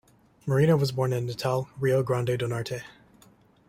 Marinho was born in Natal, Rio Grande do Norte.